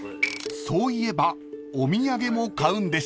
［そういえばお土産も買うんでしたよね？］